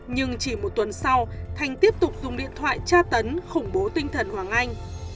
nhưng chỉ một tuần sau thành tiếp tục dùng điện thoại tra tấn khủng bố tinh thần hoàng anh